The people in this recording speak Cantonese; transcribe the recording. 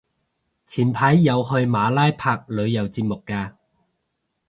前排有去馬拉拍旅遊節目嘅